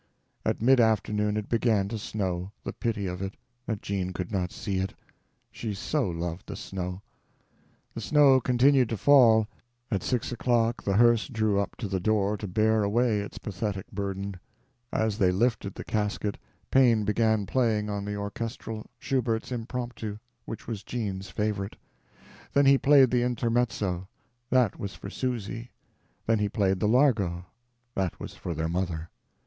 _ At mid afternoon it began to snow. The pity of it—that Jean could not see it! She so loved the snow. The snow continued to fall. At six o'clock the hearse drew up to the door to bear away its pathetic burden. As they lifted the casket, Paine began playing on the orchestrelle Schubert's "Impromptu," which was Jean's favorite. Then he played the Intermezzo; that was for Susy; then he played the Largo; that was for their mother.